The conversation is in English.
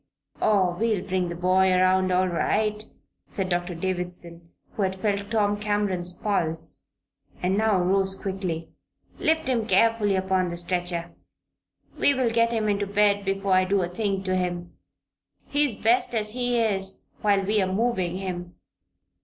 "Oh, we'll bring the boy around all right," said Doctor Davison, who had felt Tom Cameron's pulse and now rose quickly. "Lift him carefully upon the stretcher. We will get him into bed before I do a thing to him. He's best as he is while we are moving him."